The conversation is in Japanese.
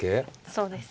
そうですね。